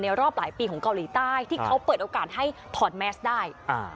รอบหลายปีของเกาหลีใต้ที่เขาเปิดโอกาสให้ถอดแมสได้อ่า